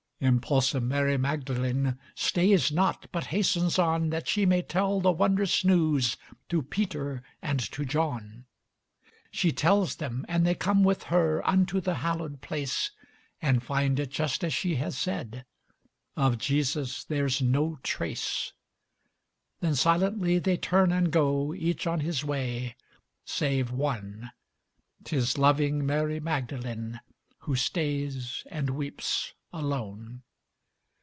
Impulsive Mary Magdalene Stays not, but hastens on That she may tell the wondrous news To Peter and to John. She tells them and they come with her Unto the hallowed place, And find it just as she has said Of Jesus there's no trace. Then silently they turn and go Each on his way save one; 'Tis loving Mary Magdalene Who stays and weeps alone.